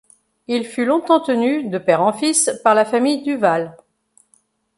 Il fut longtemps tenu, de père en fils, par la famille Duval.